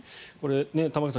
玉川さん